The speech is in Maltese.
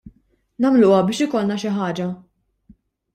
Nagħmluha biex ikollna xi ħaġa.